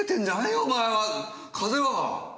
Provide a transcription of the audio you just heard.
お前は風邪は？